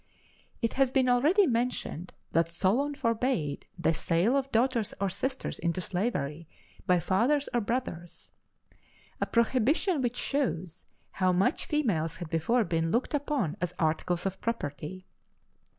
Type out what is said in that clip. It has been already mentioned that Solon forbade the sale of daughters or sisters into slavery by fathers or brothers; a prohibition which shows how much females had before been looked upon as articles of property.